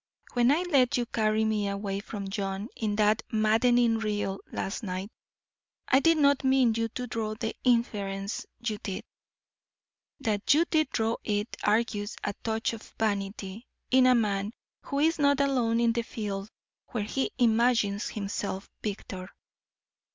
When I let you carry me away from John in that maddening reel last night, I did not mean you to draw the inference you did. That you did draw it argues a touch of vanity in a man who is not alone in the field where he imagines himself victor.